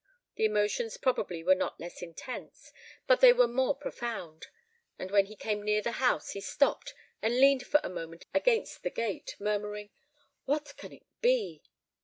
The emotions probably were not less intense, but they were more profound; and when he came near the house he stopped and leaned for a moment against the gate, murmuring, "What can it be?"